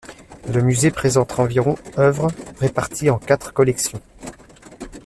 Le musée présente environ œuvres, réparties en quatre collections.